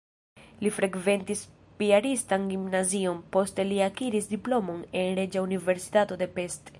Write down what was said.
Li frekventis piaristan gimnazion, poste li akiris diplomon en Reĝa Universitato de Pest.